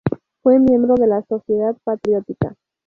Fue miembro de la Sociedad Patriótica.